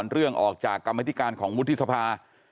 เรื่องออกจากกรรมธิการของวุฒิสภา